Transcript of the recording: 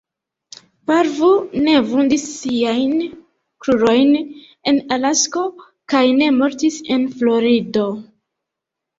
Parvu ne vundis siajn krurojn en Alasko kaj ne mortis en Florido.